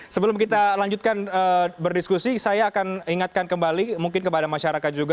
sebelum kita lanjutkan berdiskusi saya akan ingatkan kembali mungkin kepada masyarakat juga